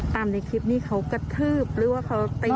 ตามในคลิปนี้เขากะทืบหรือว่าเขาเป็น